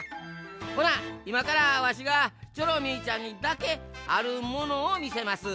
ほないまからわしがチョロミーちゃんにだけあるものをみせます。